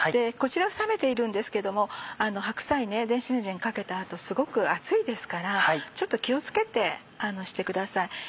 こちらは冷めているんですけども白菜電子レンジにかけた後すごく熱いですからちょっと気を付けてしてください。